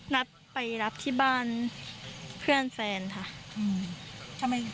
นัดไปรับที่บ้านเพื่อนแฟนค่ะ